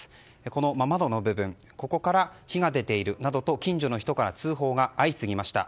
この窓の部分から火が出ているなどと近所の人から通報が相次ぎました。